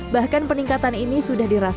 bahkan peningkatan ini sudah mencapai sepuluh helm